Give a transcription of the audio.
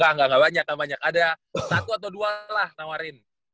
nggak nggak banyak ada satu atau dua lah tawarin